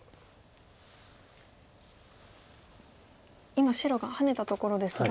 今白がハネたところですが。